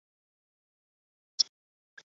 他是由比光索的长男。